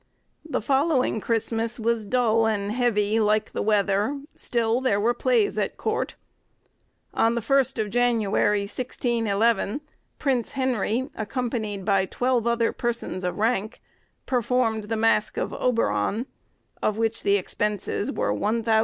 The following Christmas was dull and heavy, like the weather; still there were plays at court. On the 1st of January, 1611, Prince Henry, accompanied by twelve other persons of rank, performed the mask of 'Oberon,' of which the expenses were £1092 6_s.